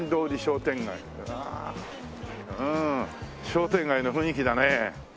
商店街の雰囲気だね。